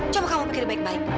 coba kamu pikir baik baik